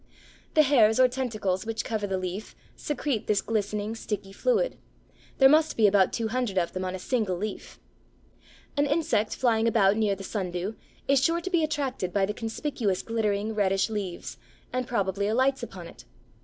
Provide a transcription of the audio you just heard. The hairs or tentacles which cover the leaf secrete this glistening, sticky fluid. There must be about two hundred of them on a single leaf. An insect flying about near the Sundew is sure to be attracted by the conspicuous glittering, reddish leaves, and probably alights upon it.